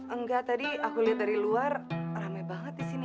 enggak tadi aku lihat dari luar rame banget di sini